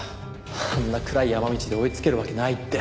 あんな暗い山道で追いつけるわけないって。